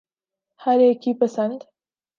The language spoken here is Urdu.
ہر ایک کی پسند و